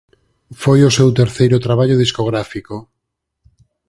Foi o seu terceiro traballo discográfico.